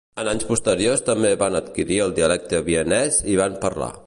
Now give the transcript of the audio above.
En anys posteriors també van adquirir el dialecte vienès i van parlar.